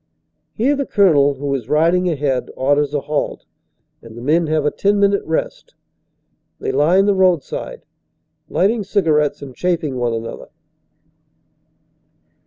Here the Colonel, who is riding ahead, orders a halt, and the men have a ten minute rest. They line the roadside, lighting cigar ettes and chaffing one another.